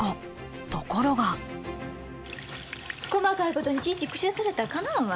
ところが細かいことにいちいち口出されたらかなわんわ。